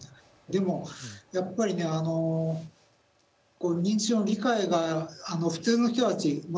でもやっぱりねこう認知症の理解が普通の人たちま